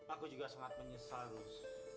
aku juga sangat menyesal terus